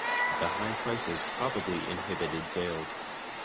The high prices probably inhibited sales.